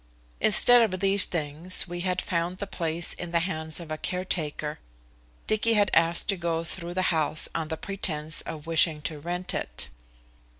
Instead of these things we had found the place in the hands of a caretaker. Dicky had asked to go through the house on the pretence of wishing to rent it.